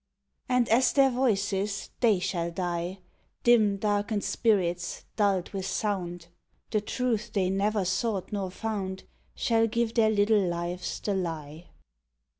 And as their voices they shall die, Dim darkened spirits dulled with sound ; The truth they never sought nor found Shall give their little lives the lie.